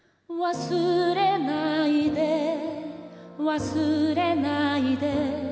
「忘れないで忘れないで」